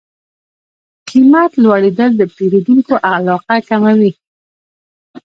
قیمت لوړېدل د پیرودونکو علاقه کموي.